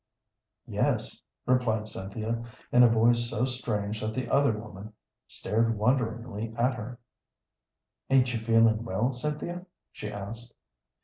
"Yes," replied Cynthia, in a voice so strange that the other woman stared wonderingly at her. "Ain't you feeling well, Cynthia?" she asked.